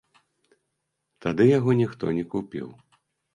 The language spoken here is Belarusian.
Тады яго ніхто не купіў.